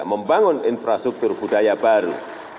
membangun infrastruktur budaya baru